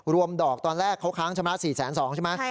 รวมดอกตอนแรกเขาค้างชะม้า๔๒๐๐๐๐